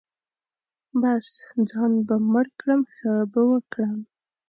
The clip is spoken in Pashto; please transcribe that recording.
بـس ځان به مړ کړم ښه به وکړم.